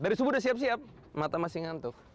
dari subuh udah siap siap mata masih ngantuk